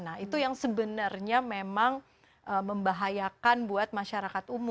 nah itu yang sebenarnya memang membahayakan buat masyarakat umum